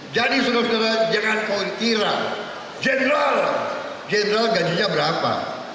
jadi saudara saudara jangan mengikirkan general general gajinya berapa